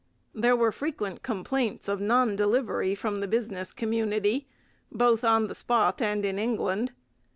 There were frequent complaints of non delivery from the business community, both on the spot and in England.